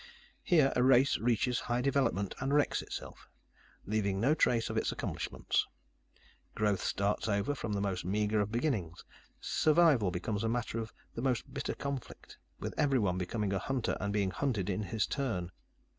Here, a race reaches high development and wrecks itself leaving no trace of its accomplishments. Growth starts over from the most meager of beginnings. Survival becomes a matter of the most bitter conflict, with everyone becoming a hunter and being hunted in his turn.